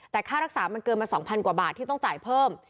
แต่ค่ารักษามันเกินมา๒๐๐กว่าบาทที่ต้องจ่ายเพิ่ม